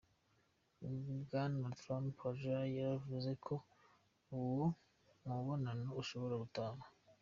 Bwana Trump aja yaravuze ko uwo mubonano ushobora kutaba.